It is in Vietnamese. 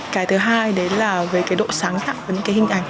cái thứ hai đấy là về cái độ sáng tạo những cái hình ảnh